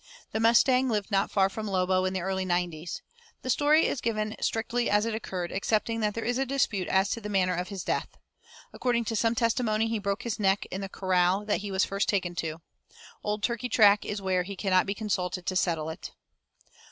The Mustang lived not far from Lobo in the early nineties. The story is given strictly as it occurred, excepting that there is a dispute as to the manner of his death. According to some testimony he broke his neck in the corral that he was first taken to. Old Turkeytrack is where he cannot be consulted to settle it.